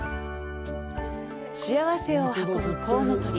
幸せを運ぶコウノトリ。